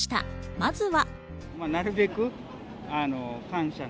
まずは。